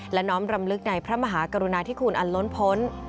และน้อมรำลึกในพระมหากรุณาธิคุณอันล้นพ้น